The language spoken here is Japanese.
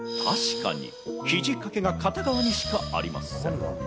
確かに肘掛けが片側にしかありません。